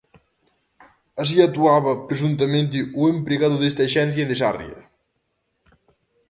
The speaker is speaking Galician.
Así actuaba, presuntamente, o empregado desta axencia de Sarria.